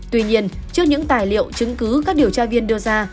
tuy nhiên trước những tài liệu chứng cứ các điều tra viên đưa ra